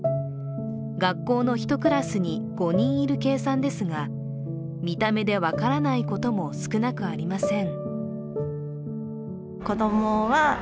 学校の１クラスに５人いる計算ですが、見た目で分からないことも少なくありません。